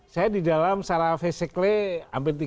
saya di dalam secara fisikly sampai tiga tahun